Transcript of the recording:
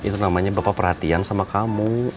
itu namanya bapak perhatian sama kamu